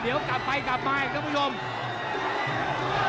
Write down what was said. เดี๋ยวกลับไปกลับมาอีกแล้วคุณผู้ชม